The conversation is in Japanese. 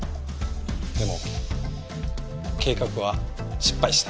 でも計画は失敗した。